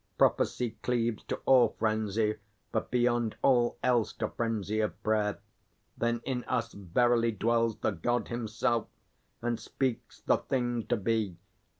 Prophecy Cleaves to all frenzy, but beyond all else To frenzy of prayer. Then in us verily dwells The God himself, and speaks the thing to be.